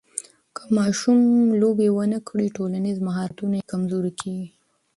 که ماشوم لوبې ونه کړي، ټولنیز مهارتونه یې کمزوري کېږي.